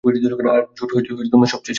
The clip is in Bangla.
আর জেট সবচেয়ে সেরা।